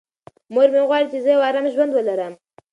مور مې غواړي چې زه یو ارام ژوند ولرم.